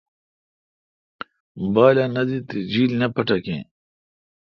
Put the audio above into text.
بالہ نہ دیت تےجیل نہ پھٹکیں